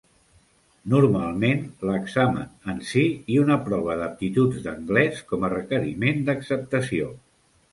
Normalment, l'examen en sí i una prova d'aptituds d'anglès com a requeriment d'acceptació.